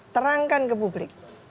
terangkan ke publik